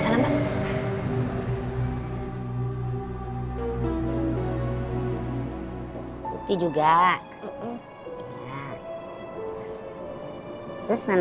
bahkan disituodya yang berbual sudah berubah dari bebima